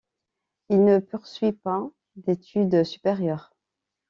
Il ne poursuit pas d'études supérieures.